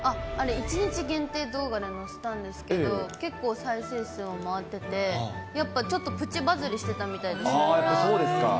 １日限定動画で載せたんですけど、結構再生数も回ってて、やっぱちょっとプチバズリしてたやっぱそうですか。